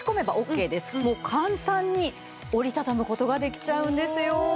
もう簡単に折り畳む事ができちゃうんですよ。